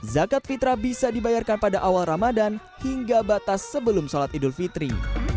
zakat fitrah bisa dibayarkan pada awal ramadan hingga batas sebelum sholat idul fitri